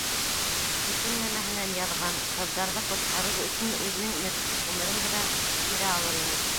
Бөтөн нәмәһенән яҙған, ҡыҙҙарҙы ҡотҡарыр өсөн үҙенең меҫкен ғүмерен генә бирә алыр ине...